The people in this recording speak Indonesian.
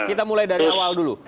kita mulai dari awal dulu